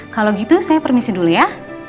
kalau gitu saya permisi dulu ya